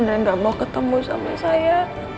dan gak mau ketemu sama saya